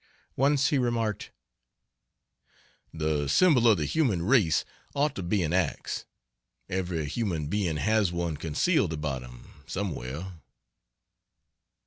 Once he remarked, "The symbol of the human race ought to be an ax; every human being has one concealed about him somewhere."